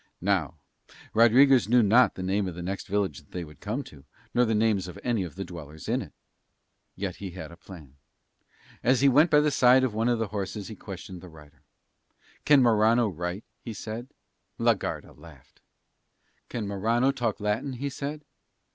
Now Rodriguez knew not the name of the next village that they would come to nor the names of any of the dwellers in it. Yet he had a plan. As he went by the side of one of the horses he questioned the rider. "Can Morano write?" he said. La Garda laughed. "Can Morano talk Latin?" he said.